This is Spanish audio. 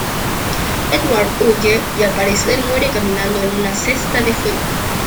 Edward huye y al parecer muere caminando en una cesta de fuego.